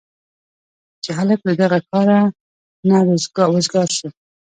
چې هلک له دغه کاره نه وزګار شو.